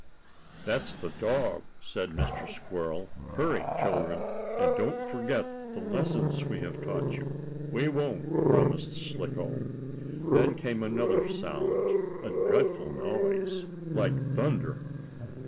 "That's the dog," said Mr. Squirrel. "Hurry, children, and don't forget the lessons we have taught you." "We won't!" promised Slicko. Then came another sound, a dreadful noise, like thunder.